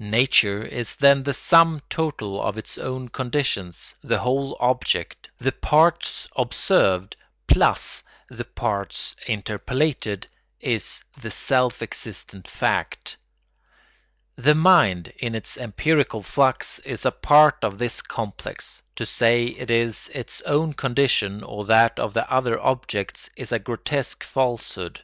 Nature is then the sum total of its own conditions; the whole object, the parts observed plus the parts interpolated, is the self existent fact. The mind, in its empirical flux, is a part of this complex; to say it is its own condition or that of the other objects is a grotesque falsehood.